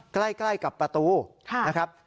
ใกล้กับประตูนะครับ